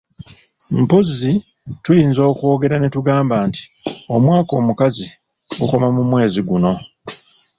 Mpozzi tuyinza okwogera ne tugamba nti omwaka omukazi gukoma mu mwezi guno.